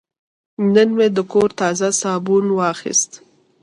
نن مې د کور تازه صابون واخیست.